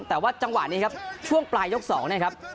แต่ว่าจังหวะนี้ครับช่วงปลายยก๒นะครับ